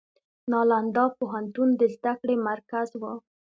نالندا پوهنتون د زده کړې مرکز و.